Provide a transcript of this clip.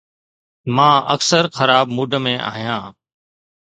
مان اڪثر خراب موڊ ۾ آهيان